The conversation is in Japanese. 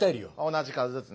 同じ数ずつね。